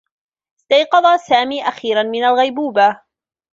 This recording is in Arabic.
استيقظ سامي أخيرا من الغيبوبة.